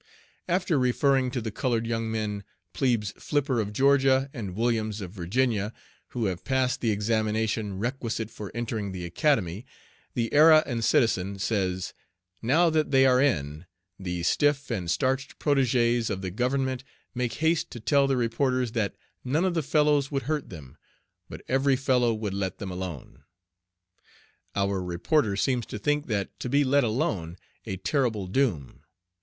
After referring to the colored young men, 'Plebes' Flipper of Georgia, and Williams of Virginia, who have passed the examination requisite for entering the Academy, the Era and Citizen says: 'Now that they are in, the stiff and starched protègès of the Government make haste to tell the reporters that "none of the fellows would hurt them, but every fellow would let them alone." Our reporter seems to think that "to be let alone" a terrible doom.